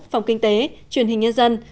phòng kinh tế truyền hình nhân dân